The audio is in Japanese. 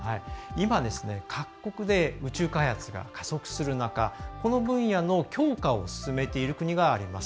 今、各国で宇宙開発が加速する中この分野の強化を進めている国があります。